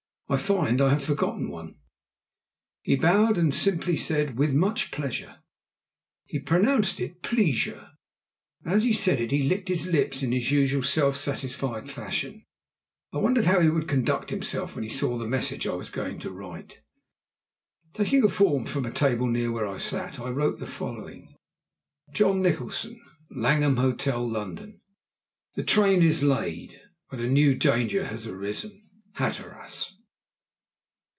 I find I have forgotten one." He bowed and simply said: "With much pleasure." He pronounced it "pleesure," and as he said it he licked his lips in his usual self satisfied fashion. I wondered how he would conduct himself when he saw the message I was going to write. Taking a form from a table near where I sat, I wrote the following: "John Nicholson, "Langham Hotel, London. "The train is laid, but a new danger has arisen. "HATTERAS."